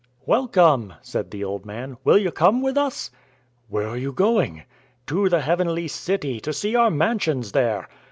"Welcome," said the old man. "Will you come with us?" "Where are you going?" "To the heavenly city, to see our mansions there."